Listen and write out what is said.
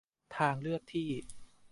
ทางเลือกที่